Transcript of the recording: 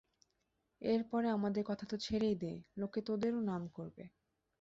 এর পরে আমাদের কথা তো ছেড়েই দে, লোকে তোদেরও নাম করবে।